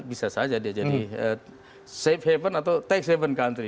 bisa saja dia jadi safe haven atau tax haven country